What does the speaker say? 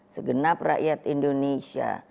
segenap rakyat indonesia